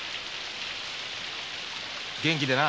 元気でな。